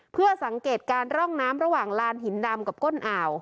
เพื่อสังเกตการร่องน้ำระหว่างลานหินดำกับก้นอ่าว